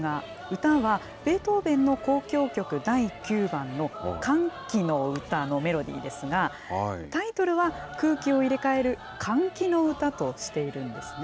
歌は、ベートーベンの交響曲第９番の歓喜の歌のメロディーですが、タイトルは、空気を入れ替える換気の歌としているんですね。